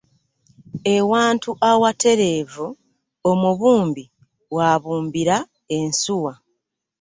Ewantu awatereevu omubumbi w'abumbira ensuwa.